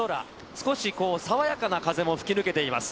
少し爽やかな風も吹き抜けています。